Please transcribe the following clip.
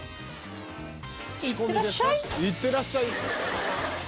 「“いってらっしゃい”！」